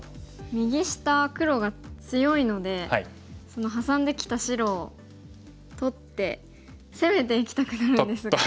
右下黒が強いのでそのハサんできた白を取って攻めていきたくなるんですが。